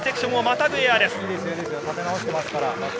立て直していますから。